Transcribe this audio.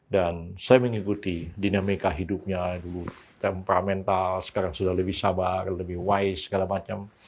dan saya mengikuti dinamika hidupnya dulu temperamental sekarang sudah lebih sabar lebih wise segala macam